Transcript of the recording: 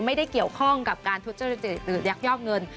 ไม่ได้เกี่ยวข้องกับการทุจริตหรือยักยอกเงิน